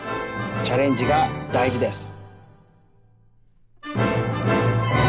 チャレンジがだいじです。